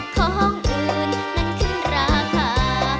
ของอื่นมันขึ้นราคา